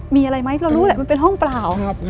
มีอะไรไหมเรารู้แหละมันเป็นห้องเปล่า